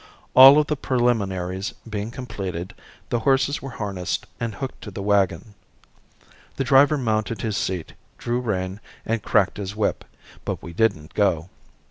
All of the preliminaries being completed, the horses were harnessed and hooked to the wagon. The driver mounted his seat, drew rein and cracked his whip, but we didn't go.